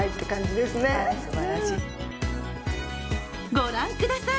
ご覧ください